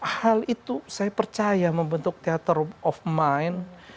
hal itu saya percaya membentuk teater of mind